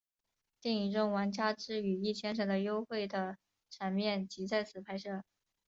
电影中王佳芝与易先生的幽会的场面即在此拍摄。